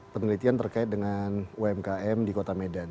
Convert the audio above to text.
penelitian terkait dengan umkm di kota medan